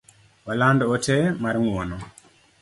Waland ote mar ng’uono